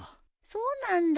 そうなんだ。